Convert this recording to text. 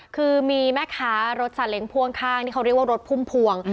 คือมีแม่ค้ารถสาเล้งพ่วงข้างที่เขาเรียกว่ารถพุ่มพวง